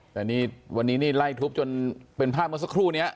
แต่นี่วันนี้นี่ไล่ทุบจนเป็นภาพเมื่อสักครู่นี้